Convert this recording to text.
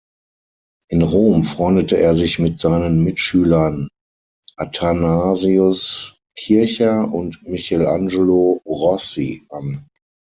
In Rom freundete er sich mit seinen Mitschülern Athanasius Kircher und Michelangelo Rossi an.